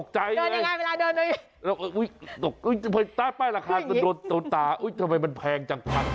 จะไม่รู้จะมองซ้ายมองหวัง